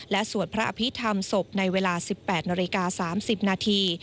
และสวดพระอภิษฐรรมศพในเวลา๑๘นาฬิกา๓๐นาที